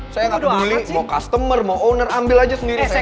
saya gak beli mau customer mau owner ambil aja sendiri saya capek